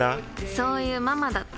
そういうママだって。